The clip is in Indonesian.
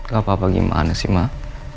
gakpuah buk apa gimana sih